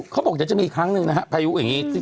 เขาบอกจะมีอีกครั้งนึงนะฮะพายุอย่างนี้